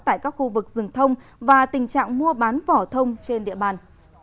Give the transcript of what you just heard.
tại các khu vực rừng thông và tình trạng mua bán vỏ thông trên địa bàn